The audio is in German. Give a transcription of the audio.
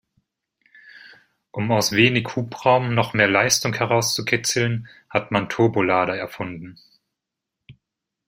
Um aus wenig Hubraum noch mehr Leistung herauszukitzeln, hat man Turbolader erfunden.